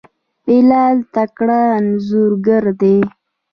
بلال تکړه انځورګر دی.